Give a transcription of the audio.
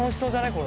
これ。